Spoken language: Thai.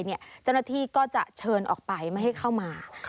เจ้าหน้าที่ก็จะเชิญออกไปไม่ให้เข้ามา